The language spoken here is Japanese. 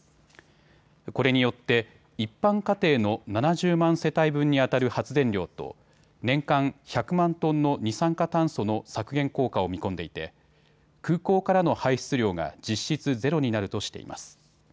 これによって一般家庭の７０万世帯分にあたる発電量と年間１００万トンの二酸化炭素の削減効果を見込んでいて空港からの排出量が実質ゼロになるとしています。